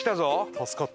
助かった。